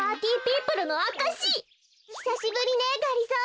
ひさしぶりねがりぞー。